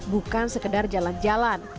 bukan sekedar jalan jalan